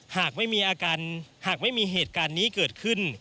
หากไม่มีอาการหากไม่มีเหตุการณ์นี้เกิดขึ้น